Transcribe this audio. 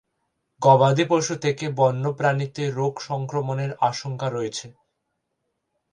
গবাদি পশু থেকে বন্যপ্রাণীতে রোগ সংক্রমণের আশঙ্কা রয়েছে।